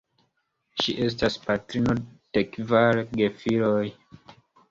Ŝi estas patrino de kvar gefiloj.